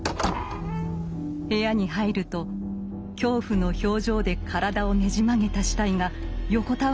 部屋に入ると恐怖の表情で体をねじ曲げた死体が横たわっていました。